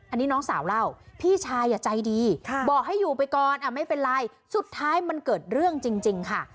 อันนี้น้องสาวเล่าพี่ชายใจดีบอกให้อยู่ไปก่อนไม่เป็นไรสุดท้ายมันเกิดเรื่องจริงค่ะ